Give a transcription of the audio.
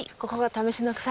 試しの鎖。